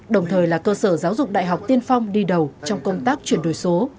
đồng thời là cơ sở giáo dục đại học tiên phong đi đầu trong công tác chuyển đổi số